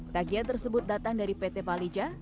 tagihan tersebut datang dari pt palija